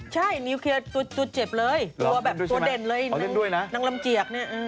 ใช่นิวเคลียร์ตัวเจ็บเลยตัวแบบตัวเด่นเลยนางลำเจียกเนี่ย